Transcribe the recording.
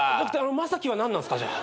まさきは何なんすかじゃあ。